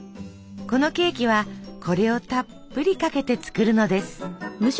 このケーキはこれをたっぷりかけて作るのです。